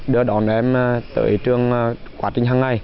đưa đón em tới trường quá trình hằng ngày